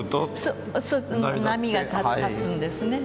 そう波が立つんですね。